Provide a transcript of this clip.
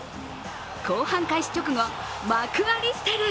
後半開始直後、マク・アリステル。